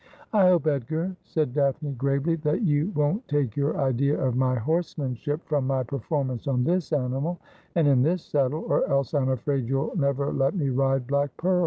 ' I hope, Edgar,' said Daphne gravely, ' that you won't take your idea of my horsemanship from my performance on this animal, and in this saddle, or else I am afraid you'll never let me ride Black Pearl.'